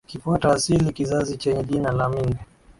Ikafuata asili kizazi chenye jina la Ming